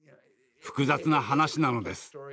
複雑な話なのです。